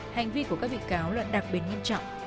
hành vi của các bị cáo là đặc biệt nghiêm trọng